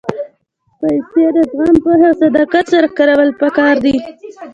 پېسې د زغم، پوهې او صداقت سره کارول پکار دي.